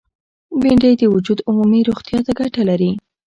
بېنډۍ د وجود عمومي روغتیا ته ګټه لري